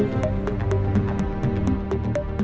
postingannya sudah dihapus ya